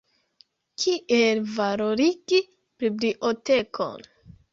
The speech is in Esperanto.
Kiel valorigi bibliotekon.